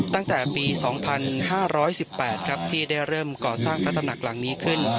ตั้งแต่ปี๒๕๑๘ครับที่ได้เริ่มก่อสร้างพระตำหนักหลังนี้ขึ้น